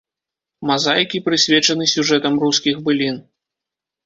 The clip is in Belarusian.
Мазаікі прысвечаны сюжэтам рускіх былін.